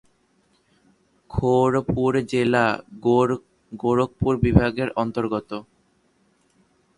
গোরখপুর জেলা গোরখপুর বিভাগের অন্তর্গত।